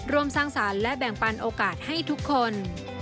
ร่วมสร้างสรรค์และแบ่งปันโอกาสให้ทุกคน